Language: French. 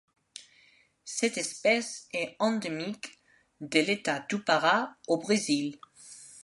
Cette espèce est endémique de l'État du Pará au Brésil.